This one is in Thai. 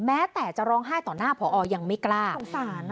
แม้แต่จะร้องไห้ต่อหน้าผอยังไม่กล้าสงสาร